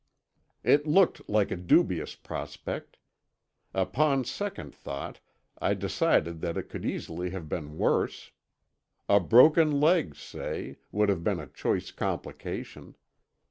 It looked like a dubious prospect. Upon second thought I decided that it could easily have been worse. A broken leg, say, would have been a choice complication.